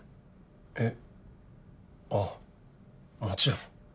えああもちろん。